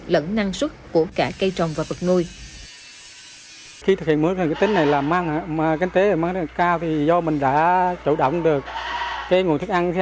lẫn năng suất của cả cây trồng và vật nuôi